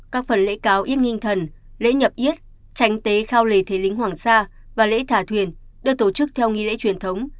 các phần lễ cao yết nghinh thần lễ nhập yết tránh tế khao lễ thế lính hoàng sa và lễ thả thuyền được tổ chức theo nghi lễ truyền thống